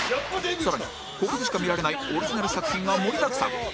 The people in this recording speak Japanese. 更にここでしか見られないオリジナル作品が盛りだくさん